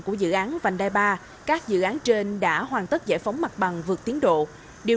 văn hóa văn đai ba các dự án trên đã hoàn tất giải phóng mặt bằng vượt tiến độ điều